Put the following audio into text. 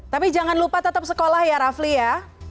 tapi jangan lupa tetap sekolah ya rafli ya